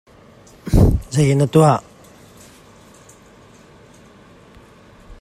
Ngunkhuai khawltu.